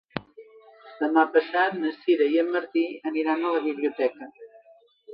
Demà passat na Sira i en Martí aniran a la biblioteca.